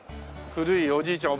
古いおじいちゃん